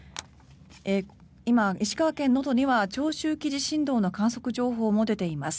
今、石川県能登には長周期地震動の観測情報も出ています。